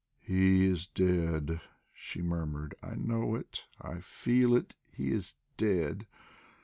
"He is dead!" she murmured. "I know it, I feel it! He is dead."